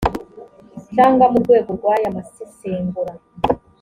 cyangwa mu rwego rw aya masesengura